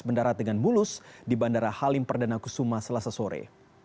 mendarat dengan mulus di bandara halim perdana kusuma selasa sore